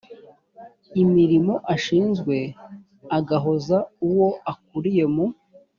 imirimo ashinzwe agahoza uwo akuriye mu